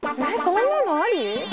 えっそんなのあり！？